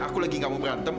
aku lagi gak mau berantem